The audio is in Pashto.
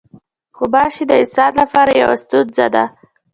غوماشې د انسان لپاره یوه ستونزه ده.